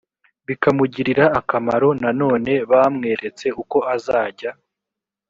bikamugirira akamaro nanone bamweretse uko azajya